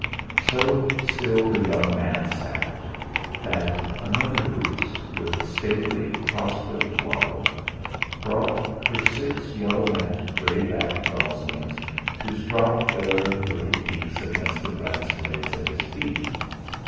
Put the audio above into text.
So still the young man sat, that a mother goose, with stately cross footed waddle, brought her six yellow necked grey backed goslings to strop their little beaks against the grass blades at his feet.